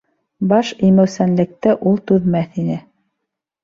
Баш эймәүсәнлекте ул түҙмәҫ ине.